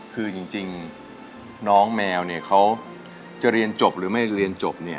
คือจริงน้องแมวเขาจะเรียนจบหรือไม่เรียนจบ